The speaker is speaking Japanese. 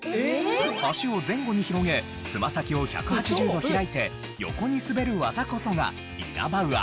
脚を前後に広げつま先を１８０度開いて横に滑る技こそがイナバウアー。